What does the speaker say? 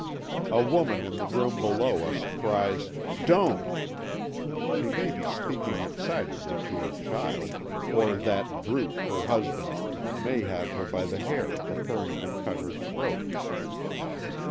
A woman in the room below us cries, "Don't!" She may be speaking excitedly to her child or that brute, her husband, may have her by the hair preparing to cut her throat.